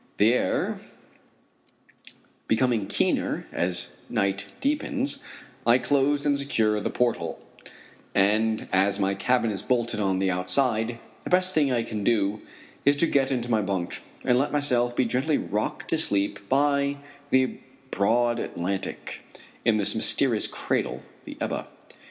The air becoming keener as night deepens, I close and secure the port hole, and as my cabin is bolted on the outside, the best thing I can do is to get into my bunk and let myself be gently rocked to sleep by the broad Atlantic in this mysterious cradle, the Ebba.